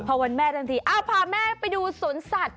พอวันแม่ทันทีพาแม่ไปดูสวนสัตว